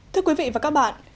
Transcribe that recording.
thưa quý vị và các bạn